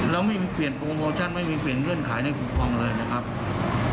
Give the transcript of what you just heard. แล้วไม่มีเปลี่ยนโปรโมชั่นไม่มีเปลี่ยนเงื่อนไขในปกครองเลยนะครับ